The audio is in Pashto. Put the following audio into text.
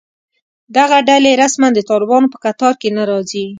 دغه ډلې رسماً د طالبانو په کتار کې نه راځي